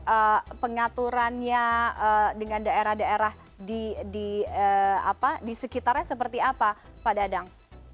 apa pengaturannya dengan daerah daerah di sekitarnya seperti apa pak dadang